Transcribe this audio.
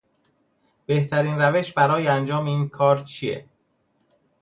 بهترین روش برای انجام این کار چیه